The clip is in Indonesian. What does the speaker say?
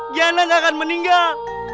diana gak akan meninggal